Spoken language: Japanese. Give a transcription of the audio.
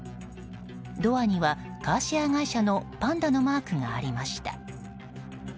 ドアにはカーシェア会社のパンダのマークがありました。